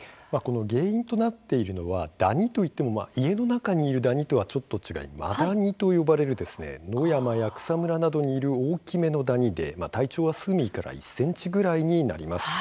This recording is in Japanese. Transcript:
原因となっているのは家の中にいるダニとはちょっと違ってマダニと呼ばれる野山や草むらなどにいる大きめのダニで、体長数ｍｍから１ｃｍぐらいになります。